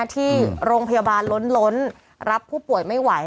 ที่โรงพยาบาลล้นรับผู้ป่วยไม่ไหว